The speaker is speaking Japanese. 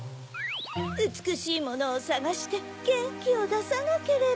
うつくしいものをさがしてゲンキをださなければ。